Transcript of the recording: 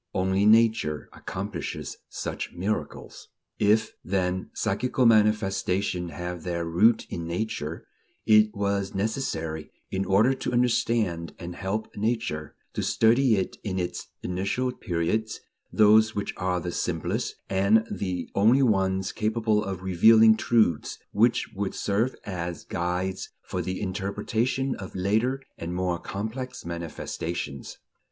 Only Nature accomplishes such miracles. If, then, psychical manifestations have their root in Nature, it was necessary, in order to understand and help Nature, to study it in its initial periods, those which are the simplest, and the only ones capable of revealing truths which would serve as guides for the interpretation of later and more complex manifestations.